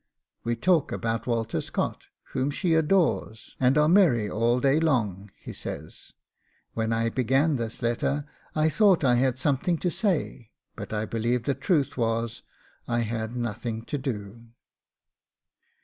'We talk about Walter Scott, whom she adores, and are merry all day long,' he says. 'When I began this letter I thought I had something to say, but I believe the truth was I had nothing to do.